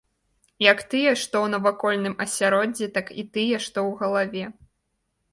Як тыя, што ў навакольным асяроддзі, так і тыя, што ў галаве.